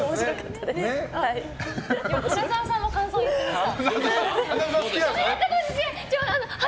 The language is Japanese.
花澤さんも感想言ってました。